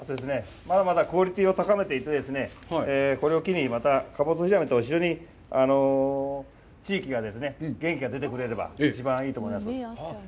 まだまだクオリティーを高めていって、これを機にまた地域に元気が出てくれれば一番いいと思います。